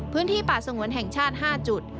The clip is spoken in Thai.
พื้นที่ป่าสงวนแห่งชาติ๕จุด